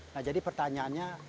nah jadi pertanyaannya